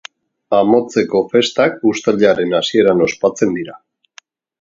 Amotzeko festak uztailaren hasieran ospatzen dira.